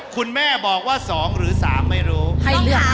คุณแม่บอกว่า๒หรือ๓ไม่รู้